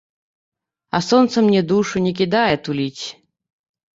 А сонца мне душу не кідае туліць.